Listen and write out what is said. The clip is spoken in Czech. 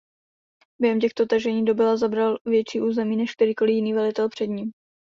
Během těchto tažení dobyl a zabral větší území než kterýkoli jiný velitel před ním.